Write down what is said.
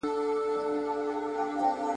سياسي ګوندونه به د ټاکنو لپاره چمتوالی نيسي.